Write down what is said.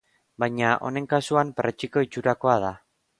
Baina, honen kasuan, perretxiko itxurakoa da.